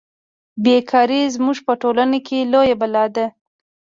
بې کاري زموږ په ټولنه کې لویه بلا ده